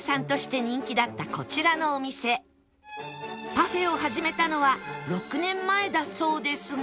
パフェを始めたのは６年前だそうですが